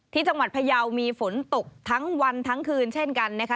ที่จังหวัดพยาวมีฝนตกทั้งวันทั้งคืนเช่นกันนะคะ